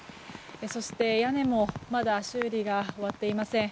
そして屋根もまだ修理が終わっていません。